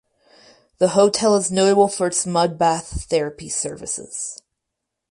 The hotel is notable for its mud bath therapy services.